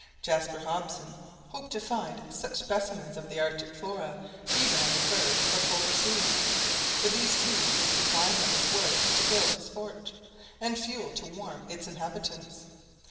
Jaspar Hobson hoped to find such specimens of the Arctic Flora even on the verge of the Polar Sea; for these trees would supply him with wood to build his fort, and fuel to warm its inhabitants.